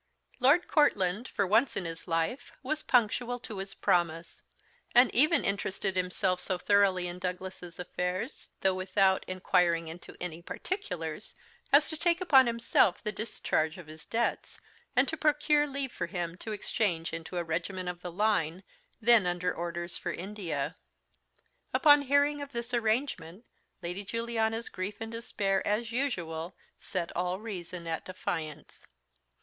Lord Courtland, for once in his life, was punctual to his promise; and even interested himself so thoroughly in Douglas's affairs, though without inquiring into any particulars, as to take upon himself the discharge of his debts, and to procure leave for him to exchange into a regiment of the line, then under orders for India. Upon hearing of this arrangement Lady Juliana's grief and despair, as usual, set all reason at defiance.